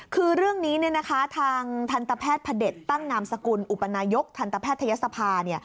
คือเรื่องนี้ทางทันตแพทย์พระเด็จตั้งนามสกุลอุปนายกทันตแพทยศภา